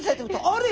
「あれ？